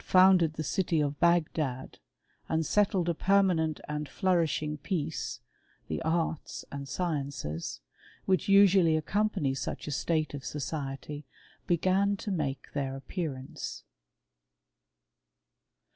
founded the city of Bagdad, and settled a permanent and flourishing peace, the arts and sciences, "which usually accompany such a state of society, began to make their appearance.